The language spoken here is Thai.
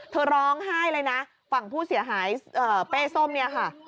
เธอร้องไห้เลยนะฝั่งผู้เสียหายเป้ส้มเนี่ยค่ะ